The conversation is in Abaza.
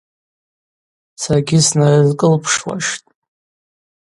Саргьи снарызкӏылпшуаштӏ.